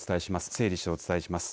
整理してお伝えします。